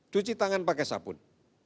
cuci tangan pakai sabun